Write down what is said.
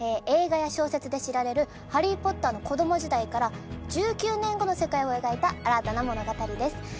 映画や小説で知られるハリー・ポッターの子供時代から１９年後の世界を描いた新たな物語です